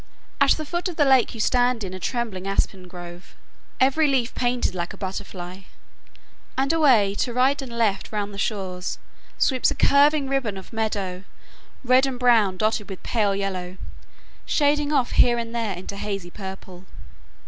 At the foot of the lake you stand in a trembling aspen grove, every leaf painted like a butterfly, and away to right and left round the shores sweeps a curving ribbon of meadow, red and brown dotted with pale yellow, shading off here and there into hazy purple.